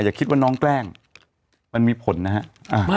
อย่าคิดว่าน้องแกล้งมันมีผลนะฮะ